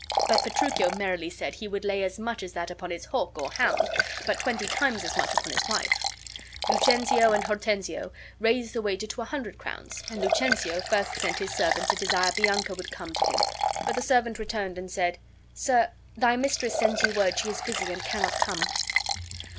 But Petruchio merrily said he would lay as much as that upon his hawk or hound, but twenty times as much upon his wife. Lucentio and Hortensio raised the wager to a hundred crowns, and Lucentio first sent his servant to desire Bianca would come to him. But the servant returned, and said: "Sir, my mistress sends you word she is busy and cannot come."